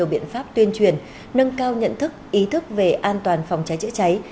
biện pháp tuyên truyền nâng cao nhận thức ý thức về an toàn phòng cháy chữa cháy